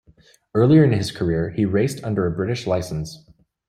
Earlier in his career he raced under a British licence.